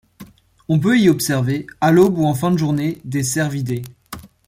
On peut y observer, à l'aube ou en fin de journée, des cervidés.